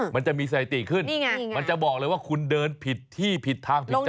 มันจะมีไสติขึ้นมันจะบอกเลยว่าคุณเดินผิดที่ผิดทางผิดจังหวะ